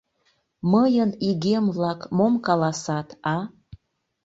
Мыйын игем-влак мом каласат, а?